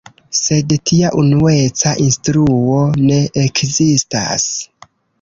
Sed tia unueca instruo ne ekzistas.